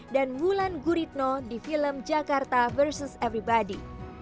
dan wulan guritno di film jakarta vs everybody